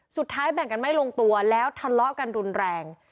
แบ่งกันไม่ลงตัวแล้วทะเลาะกันรุนแรง